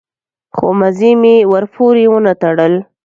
خو مزي مې ورپورې ونه تړل.